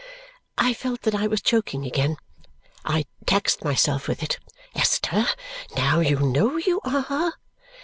I felt that I was choking again I taxed myself with it, "Esther, now, you know you are!"